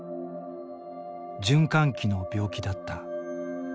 循環器の病気だった。